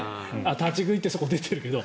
立ち食いってそこに出ているけど。